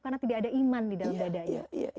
karena tidak ada iman di dalam badannya